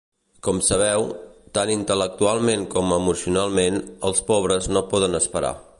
Com sabeu, tant intel·lectualment com emocionalment, els pobres no poden esperar.